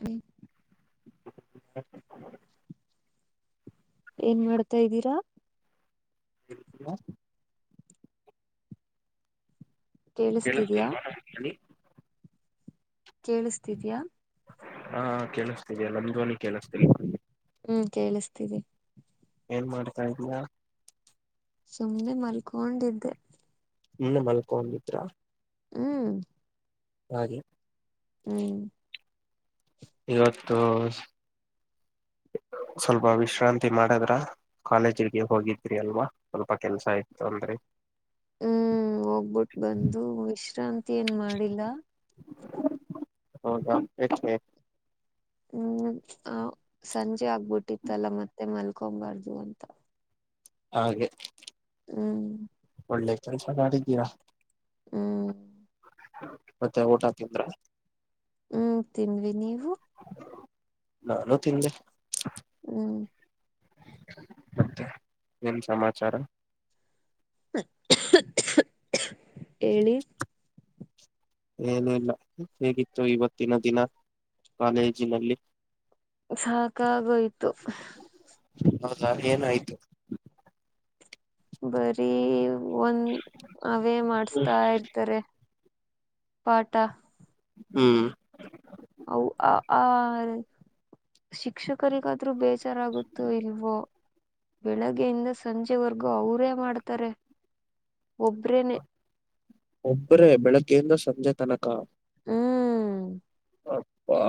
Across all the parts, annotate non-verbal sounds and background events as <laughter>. B ಏನ್ ಮಾಡ್ತಾ ಇದ್ದೀರಾ. ಎಲ್ಲಿಗ್ ಬಿಟ್ಟಿದೀರಾ ಕೇಳಿಸ್ತಿದಿಯಾ ಕೇಳಿಸ್ತಿಲ್ವಾ ನಮ್ ಧ್ವನಿ ಕೇಳಿಸ್ತಿದ್ಯಾ ಹಾ ಹಾ ಕೇಳಿಸ್ತೀದೆ ನಿಮ್ಮ ಧ್ವನಿ ಕೇಳಿಸ್ತೀಲ್ಲಾ ಹ್ಮ್ ಕೇಳಿಸ್ತೀದೇ. ಏನ್ ಮಾಡ್ತಾ ಇದಿಯಾ ಸುಮ್ನೆ ಮಲ್ಕೊಂಡಿದ್ದೆ. ಸುಮ್ನೆ ಮಲ್ಕೊಂಡಿದ್ರಾ ಹ್ಮ್ ಹಾಗೆ ಹ್ಮ್ ಇವತ್ತು <inaudible> ಸ್ವಲ್ಪ ವಿಶ್ರಾಂತಿ ಮಾಡದ್ರ ಕಾಲೇಜಿಗೆ ಹೋಗಿದ್ರಿ ಅಲ್ವಾ ಸ್ವಲ್ಪ ಕೆಲ್ಸ ಇತ್ತು ಅಂದ್ರಿ. ಹ್ಮ್ ಹೋಗ್ಬಿಟ್ಟ ಬಂದು ವಿಶ್ರಾಂತಿ ಏನ್ ಮಾಡಿಲ್ಲ. ಹೌದಾ ಏಕೆ ಹ್ಮ್ ಆ ಸಂಜೆ ಆಗ್ಬಿಟ್ಟಿತ್ತಲ್ಲ ಮತ್ತೆ ಮಲ್ಕೊಬಾರ್ದು ಅಂತ ಹಾಗೆ ಹ್ಮ್ ಒಳ್ಳೆ ಕೆಲ್ಸ ತಗೊಂಡಿದ್ದೀರಾ ಹ್ಮ್ ಮತ್ತೆ ಊಟಾ ತಿಂದ್ರಾ ಹ್ಮ್ ತಿನ್ ನೀವು ನಾನು ತಿಂದೆ ಹ್ಮ್ ಮತ್ತೆ ಏನ್ ಸಮಾಚಾರ ಹೇಳಿ ಏನುೂ ಇಲ್ಲ ಹೇಗಿತ್ತು ಇವತ್ತಿನ ದಿನ ಕಾಲೇಜಿನಲ್ಲಿ ಸಾಕಾಗೋಯ್ತು ಹೌದಾ ಏನಾಯ್ತು ಬರೀ ಒಂದ ಅವೇ ಮಾಡಸ್ತಾ ಇರ್ತಾರೆ ಪಾಟ ಹ್ಮ್ ಅ ಆ ಶಿಕ್ಷಕರಿಗಾದ್ರೂ ಬೇ ಚಾರಾಗುತ್ತೋ ಇಲ್ವೋ ಬೆಳಗ್ಗೆಯಿಂದ ಸಂಜೆವರೆಗೂ ಅವರೇ ಮಾಡ್ತಾರೆ ಒಬ್ರೇನೆ ಒಬ್ರೇ ಬೆಳಗ್ಗೆದ ಸಂಜೆ ತನಕ ಹ್ಮ್ ಅಪ್ಪಾ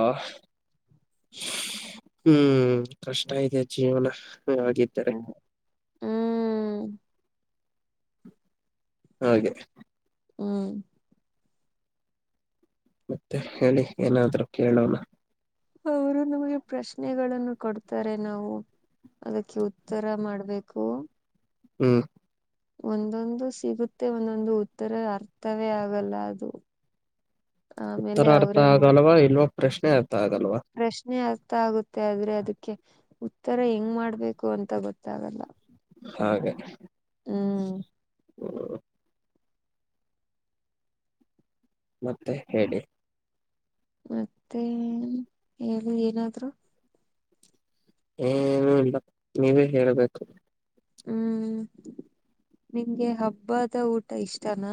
ಹ್ಮ್ ಕಷ್ಟ ಇದೆ ಜೀವನ ಹ ಆಗಿದ್ದಿದ್ದಾರೆ ಹ್ಮ್ ಹಾಗೆ ಹ್ಮ ಮತ್ತೆ ಹೇಳಿ ಏನಾದ್ರೂ ಕೇಳೋಣ ಅವರು ನಮಗೆ ಪ್ರಶ್ನೆಗಳನ್ನು ಕೊಡ್ತಾರೆ ನಾವು ಅದಕ್ಕೆ ಉತ್ತರ ಮಾಡ್ಬೇಕು ಹ್ಮ್ ಒಂದೊಂದು ಸಿಗುತ್ತೆ ಒಂದೊಂದು ಉತ್ತರ ಅರ್ಥವೇ ಆಗಲ್ಲ ಅದು <inaudible> ಉತ್ತರ ಅರ್ಥ ಅವರೇ ಆಗಲ್ವಾ ಇಲ್ವ ಪ್ರಶ್ನೆ ಆಗ್ತದೆ ಪ್ರಶ್ನೆ ಆಗ್ತ ಗೊತ್ತ ಆಗುತ್ತೆ ಆದ್ರೆ ಅದಕ್ಕೆ ಉತ್ತರ ಹೆಂಗ್ ಮಾಡ್ಬೇಕು ಅಂತ ಗೊತ್ತಾಗಲ್ಲ ಹಾಗೆ ಹ್ಮ್ ಹ್ಮ್ ಮತ್ತೆ ಹೇಳಿ ಮತ್ತೆ ಹೇಳಿ ಏನಾದ್ರು ಏನು ಇಲ್ಲ ನೀವೇ ಹೇಳ್ಬೇಕು ಹ್ಮ್ ನಿಂಗೆ ಹಬ್ಬದ ಊಟ ಇಷ್ಟನಾ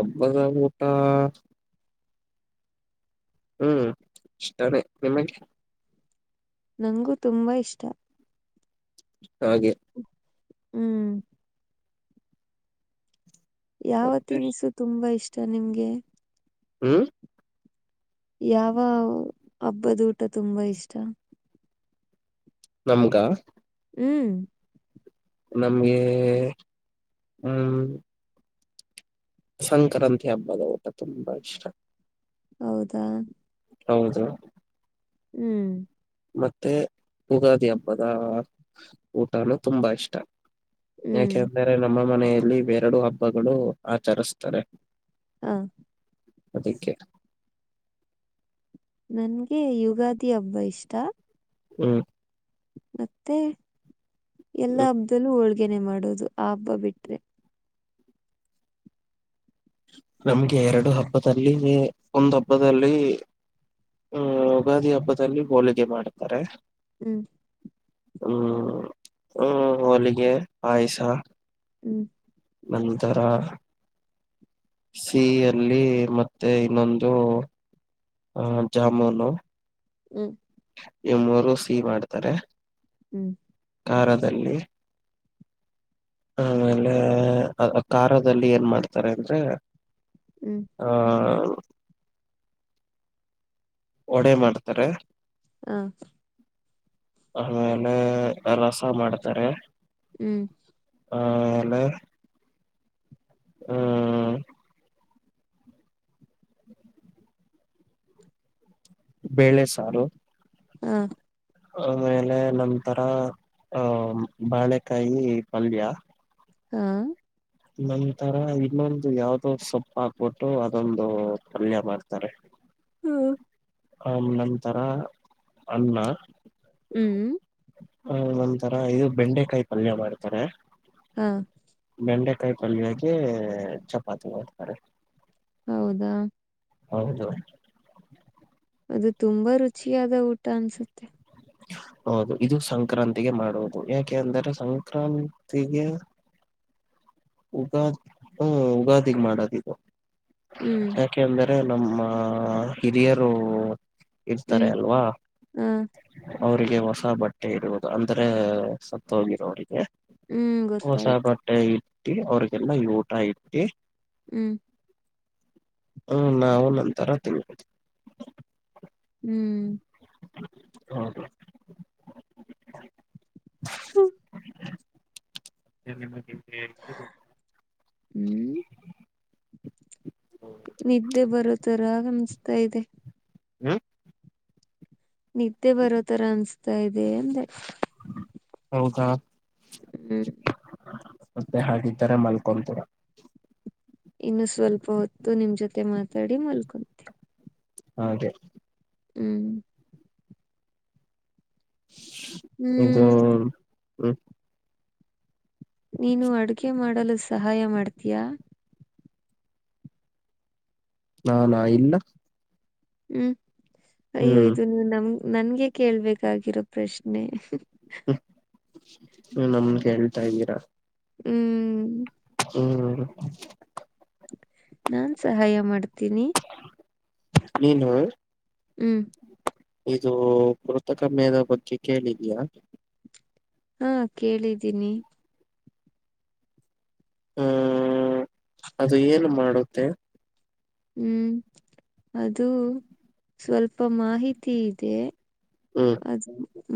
ಅಬ್ಬದ ಊಟಾ ಹ್ಮ್ ಇಷ್ಟಾನೇ ನಿಮಗೆ ನಂಗಗೂ ತುಂಬಾ ಇಷ್ಟ ಹಾಗೆ ಹ್ಮ್ ಯಾವ ಮತ್ತೆ ತಿನಿಸು ತುಂಬಾ ಇಷ್ಟ ನಿಮ್ಗೆ ಹ್ಮ್ ಯಾವ ಹಬ್ಬದಊಟ ತುಂಬಾ ಇಷ್ಟ ನಮ್ಗ ಹ್ಮ್ ನಮ್ಗೆ ಹ್ಮ್ ಸಂಕ್ರಾಂತಿ ಹಬ್ಬದ ಊಟ ತುಂಬಾ ಇಷ್ಟ ಹೌದಾ ಹೌದು ಹ್ಮ್ ಮತ್ತೆ ಯುಗಾದಿ ಹಬ್ಬದ ಊಟನೂ ತುಂಬಾ ಇಷ್ಟ ಹ್ಮ್ ಯಾಕೆಂದರೆ ನಮ್ಮ ಮನೆಯಲ್ಲಿ ಎರಡೂ ಹಬ್ಬಗಳು ಆಚರಿಸುತ್ತಾರೆ ಹಾ ಅದಿಕ್ಕೇ ನನ್ಗೆ ಯುಗಾದಿ ಹಬ್ಬ ಇಷ್ಟ ಹ್ಮ್ ಮತ್ತೆ ಎಲ್ಲಾ ಹ್ಮ್ ಹಬ್ಬದಲ್ಲೂ ಹೋಳಿಗೆ ಹೊಳಿಗೆನೇ ಮಾಡೋದು ಆ ಹಬ್ಬ ಬಿಟ್ರೆ ನಮಗೆ ಎರಡು ಹಬ್ಬದಲ್ಲಿ ಒಂದು ಹಬ್ಬದಲ್ಲಿ ಹ್ಮ್ ಯುಗಾದಿ ಹಬ್ಬದಲ್ಲಿ ಹೋಳಿಗೆ ಮಾಡ್ತಾರೆ ಹ್ಮ್ ಹ್ಮ್ ಹ್ಮ ಹೋಳಿಗೆ ಪಾಯಸ ಹ್ಮ್ ನಂತರ ಸಿಹಿಯಲ್ಲಿ ಮತ್ತೆ ಇನ್ನೊಂದು ಹ ಜಾಮೂನು ಹ್ಮ್ ಈ ಮೂರು ಸಿಹಿ ಮಾಡ್ತಾರೆ ಹ್ಮ್ ಖಾರದಲ್ಲಿ ಆಮೇಲೆ ಖಾರದಲ್ಲಿ ಏನ್ ಮಾಡ್ತಾರೆ ಅಂದ್ರೆ ಹ್ಮ್ ಹ ವಡೆ ಮಾಡ್ತಾರೆ ಹಾ ಆಮೇಲೆ ರಸ ಮಾಡ್ತಾರೆ ಹ್ಮ್ ಆಮೇಲೆ ಆ ಬೇಳೆ ಸಾರು ಹ್ಮ ಆಮೇಲೆ ನಂತರ ಆಹ ಬಾಳೆಕಾಯಿ ಪಲ್ಯ ಹಾ ನಂತರ ಇನ್ನೊಂದು ಯಾವ್ದೋ ಸೊಪ್ಪು ಹಾಕ್ಬಿಟ್ಟು ಅದೊಂದು ಪಲ್ಯ ಮಾಡ್ತಾರೆ ಹ್ಮ್ ನಂತರ ಅನ್ನ ಹ್ಮ್ ಹ ನಂತರ ಇದು ಬೆಂಡೆಕಾಯಿ ಪಲ್ಯ ಮಾಡ್ತಾರೆ ಹಾ ಬೆಂಡೆಕಾಯಿ ಪಲ್ಯಾಗಿ ಚಪಾತಿ ಮಾಡ್ತಾರೆ ಹೌದಾ ಹೌದು ಅದು ತುಂಬಾ ರುಚಿಯಾದ ಊಟ ಅನ್ಸುತ್ತೆ ಹೌದು ಇದು ಸಂಕ್ರಾಂತಿಗೆ ಮಾಡುವುದು ಯಾಕೆ ಅಂದರೆ ಸಂಕ್ರಾಂತಿಗೆ <inaudible> ಯುಗಾದಿ ಹ್ಮ ಯುಗಾದಿಗೆ ಮಾಡೋದು ಇದು ಹ್ಮ್ ಯಾಕೆಂದ್ರೆ ನಮ್ಮ ಹಿರಿಯರು ಹ್ಮ್ ಇರ್ತಾರೆ ಅಲ್ವಾ ಹ ಅವ್ರಿಗೆ ಹೊಸಬಟ್ಟೆ ಇಡುವುದು ಅಂದ್ರ ಸತ್ತಹೋಗಿರೋ ಅವರಿಗೆ ಹ್ಮ್ ಗೊತ್ತಾಯ್ತು ಹೊಸಬಟ್ಟೆ ಇಟ್ಟಿ ಅವ್ರಿಗೆಲ್ಲಾ ಊಟ ಇಟ್ಟಿ ಹ್ಮ್ ಹ್ಮ ನಾವು ನಂತರ ತಿನ್ದು ಹ್ಮ್ ಹೌದು ಹ್ಮ ಹ್ಮ್ ನಿದ್ದೆ ಬರೋ ತರಗಮಿಸ್ತಾ ಇದೆ ಹ್ಮ ನಿದ್ದೆ ಬರೋ ತರ ಅನ್ಸ್ತಾ ಇದೆ ಅಂದ ಹೌದಾ ಹ್ಮ್ ಮತ್ತೆ ಹಾಗಿದ್ದಿದ್ದಾರೆ ಮಲ್ಕೊಂತೂರ ಇನ್ನು ಸ್ವಲ್ಪ ಹೊತ್ತು ನಿಮ್ ಜೊತೆ ಮಾತಾಡಿ ಮಲ್ಕೊಂತೀ ಹಾಗೆ ಹ್ಮ್ ಇದು ಹ್ಮ್ ಹ್ಮ ನೀನು ಅಡುಗೆ ಮಾಡಲು ಸಹಾಯ ಮಾಡ್ತೀಯಾ ನಾನಾ ಇಲ್ಲ ಹ್ಮ್ ಅಯ್ಯೋ ಹ್ಮ್ ಇದು ನೀ ನಮ ನನ್ಗೆ ಕೇಳ್ಬೇಕಾಗಿರೋ ಪ್ರಶ್ನೆ ನಮ್ನ್ ಹೇಳ್ತಾ ಇದ್ದೀರಾ ಹ್ಮ್ ಹ್ಮ್ ನಾನ್ ಸಹಾಯ ಮಾಡ್ ನೀನು ಹ್ಮ್ ಇದು ಕೃತಕ ಮದ ಬಗ್ಗೆ ಕೇಳಿದಯಾ ಹಾ ಕೇಳಿದ್ದೀನಿ ಹ್ಮ ಅದು ಏನು ಮಾಡುತ್ತೆ ಹ್ಮ್ ಅದು ಸ್ವಲ್ಪ ಮಾಹಿತಿ ಇದೆ ಹ್ಮ್ ಅ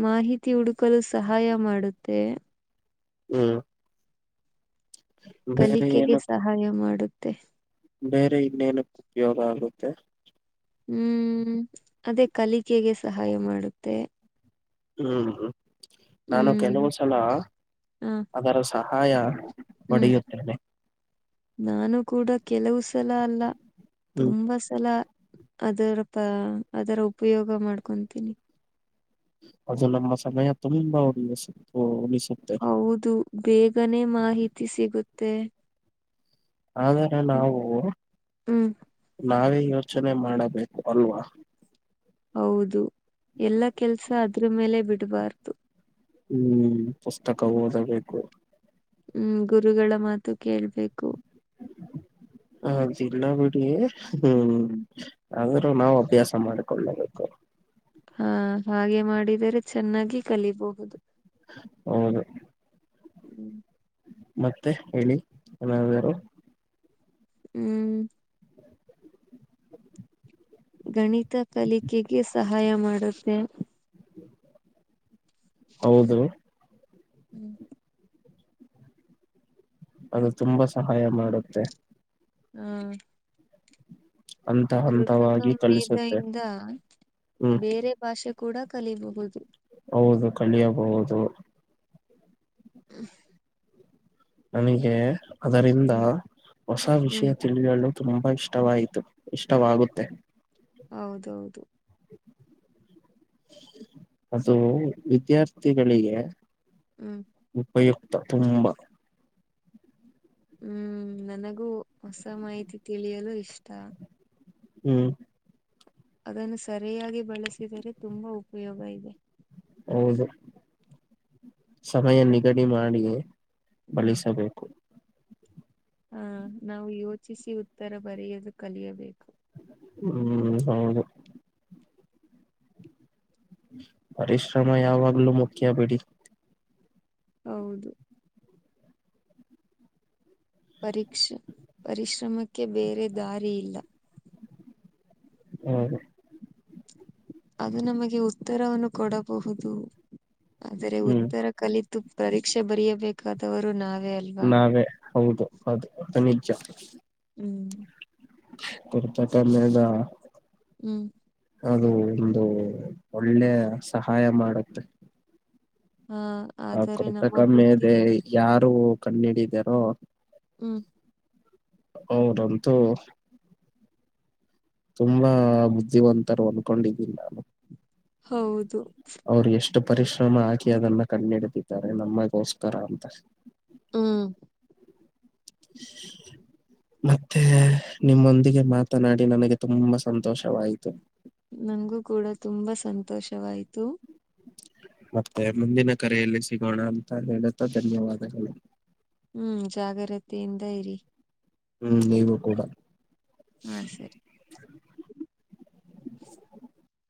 ಮಾಹಿತಿ ಹುಡುಕಲು ಸಹಾಯ ಮಾಡುತ್ತೆ ಹ್ಮ್ ಬೇರೆ ಕಲಿಕೆಗೆ ಏನಕ್ ಸಹಾಯ ಮಾಡುತ್ತೆ ಬೇರೆ ಇನ್ನೇನ ಉಪಯೋಗ ಆಗುತ್ತೆ ಹ್ಮ್ ಅದೇ ಕಲಿಕೆಗೆ ಸಹಾಯ ಮಾಡುತ್ತೆ ಹ್ಮ್ ಹ್ಮ ನಾನು ಹ್ಮ್ ಕೆಲವು ಸಲ ಹ ಅದರ ಸಹಾಯ ಬಡಿ ಹ್ಮ್ ಉತ್ತದೆ ನಾನು ಕೂಡ ಕೆಲವು ಸಲ ಅಲ್ಲ ಹ್ಮ್ ತುಂಬಾ ಸಲ ಅದರ ಪ ಅದರ ಉಪಯೋಗ ಮಾಡ್ಕೊತೀನಿ ಅದು ನಮ್ಮಮ್ಮ ಸಮಯ ತುಂಬಾ ಉ ಹೌದು ಬೇಗನೆ ಮಾಹಿತಿ ಸಿಗುತ್ತೆ ಆದರೆ ನಾವು ಹ್ಮ್ ನಾವೇ ಯೋಚನೆ ಮಾಡಬೇಕು ಅಲ್ವಾ ಹೌದು ಎಲ್ಲ ಕೆಲ್ಸ ಅದ್ರ ಮೇಲೆ ಬಿಡ್ಬಾರ್ದು ಹ್ಮ್ ಪುಸ್ತಕ ಓದಬೇಕು ಹ್ಮ್ ಗುರುಗಳ ಮಾತು ಕೇಳ್ಬೇಕು ಹ ಜಿಲ್ಲ ಬಿಡಿ ಹ್ಮ್ ಆದ್ರೂ ನಾವು ಅಭ್ಯಾಸ ಮಾಡಿಕೊಳ್ಳಬೇಕು ಹಾ ಹಾಗೆ ಮಾಡಿದರೆ ಚೆನ್ನಾಗಿ ಕಲಿಬಹುದು ಹೌದು ಹ್ಮ್ ಮತ್ತೆ ಹೇಳಿ ಏನಾರು ಹ್ಮ್ ಗಣಿತ ಕಲಿಕೆಗೆ ಸಹಾಯ ಮಾಡುತ್ತೆ ಹೌದು ಹ್ಮ್ ಅದು ತುಂಬಾ ಸಹಾಯ ಮಾಡುತ್ತೆ ಹ್ಮ ಹಂತ ಕೃತಕ ಹಂತವಾಗಿ ಕಲಿಸುತ್ತೆ ಮೇಧೆಯಿಂದ ಹ್ಮ್ ಬೇರೆ ಭಾಷೆ ಕೂಡ ಕಲಿಯಬಹುದು ಹೌದು ಕಳಿಯಬಹುದು ಹ್ಮ ನನಗೆ ಅದರಿಂದ ಹ್ಮ್ ಹೊಸ ವಿಷಯ ಹ್ಮ್ ತಿಳಿಯೊಳ್ಳು ತುಂಬಾ ಇಷ್ಟವಾಯಿತು ಇಷ್ಟವಾಗುತ್ತೆ ಹೌದೌದು ಅದು ವಿದ್ಯಾರ್ಥಿಗಳಿಗೆ ಹ್ಮ್ ಉಪಯುಕ್ತ ತುಂಬಾ ಹ್ಮ್ ನನಗೂ ಹೊಸ ಮಾಹಿತಿ ತಿಳಿಯಲು ಇಷ್ಟ ಹ್ಮ್ ಅದನ್ನು ಸರಿಯಾಗಿ ಬಳಸಿದರೆ ತುಂಬಾ ಉಪಯೋಗ ಇದೆ ಹೌದು ಸಮಯ ನಿಗಡಿ ಮಾಡಿ ಬಳಸಬೇಕು ಹ ನಾವು ಯೋಚಿಸಿ ಉತ್ತರ ಬರೆಯದು ಕಲಿಯಬೇಕು ಹ್ಮ್ ಹೌದು ಪರಿಶ್ರಮ ಯಾವಾಗ್ಲೂ ಮುಖ್ಯ ಬಿಡಿ ಹೌದು ಪರಕ್ಷ ಪರಿಶ್ರಮಕ್ಕೆ ಬೇರೆ ದಾರಿಯಿಲ್ಲ ಹ್ಮ ಅದು ನಮಗೆ ಉತ್ತರವನ್ನು ಕೊಡಬಹುದು ಆದರೆ ಹ್ಮ್ ಉತ್ತರ ಕಲಿತು ಪರೀಕ್ಷೆ ಬರಬೇಕಾದವರು ನಾವ ನಾವೇ ಹೌದು ಅದು ಅದು ನಿಜ ಹ್ಮ್ ತರ್ತತಲ್ಲದಾ ಹ್ಮ್ ಅದು ಒಂದು ಒಳ್ಳೆ ಸಹಾಯ ಮಾಡುತ್ತೆ ಹ ಆ ಆದರೆ ನಮ್ಮ ಕೃತಕ ಬುದ್ಧಿ ಮೆದೆ ಯಾರು ಕಣ್ಣ ಹಿಡಿದಾರೋ ಹ್ಮ್ ಅವೌದಂತೂ ತುಂಬಾ ಬುದ್ಧಿವಂತರು ಅಂದಕೊಂಡಿದ್ದೀಿ ನಾನು ಹೌದು ಅವ್ರು ಎಷ್ಟು ಪರಿಶ್ರಮ ಹಾಕಿ ಅದನ್ನ ಕಣ್ಣ ಹಿಡಿದಿದ್ದಾರೆ ನಮ್ಮಗೋಸ್ಕರ ಅಂತ ಹ್ಮ್ ಮತ್ತೆ ನಿಮ್ಮೊಂದಿಗೆ ಮಾತನಾಡಿ ನನಗೆ ತುಂಬಾ ಸಂತೋಷವಾಯಿತು ನಂಗಗೂ ಕೂಡ ತುಂಬಾ ಸಂತೋಷವಾಯ್ತು ಮತ್ತೆ ಮುಂದಿನ ಕರೆಯಲ್ಲಿ ಸಿಗೋಣ ಅಂತ ಹೇಳುತ್ತಾ ಧನ್ಯವಾದಗಳು ಹ್ಮ್ ಜಾಗ್ರತೆಯಿಂದ ಇರಿ ಹ್ಮ್ ನೀವು ಕೂಡ ಹಾ ಸರಿ <inaudible>